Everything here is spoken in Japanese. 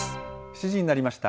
７時になりました。